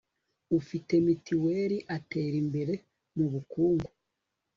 ufite mituweli atera imbere mu bukungu